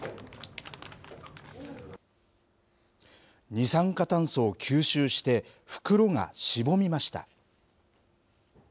二酸化炭素を吸収して、袋がしぼみました。